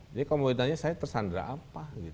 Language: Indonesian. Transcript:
jadi kalau mau ditanya saya tersandra apa